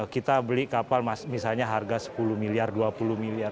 kita beli kapal misalnya harga sepuluh miliar dua puluh miliar